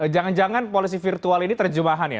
jangan jangan polisi virtual ini terjemahan ya